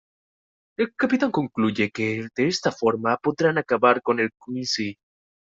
El Capitán concluye que de esta forma podrán acabar con el Quincy.